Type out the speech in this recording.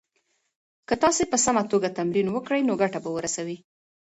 که تاسي په سمه توګه تمرین وکړئ نو ګټه به ورسوي.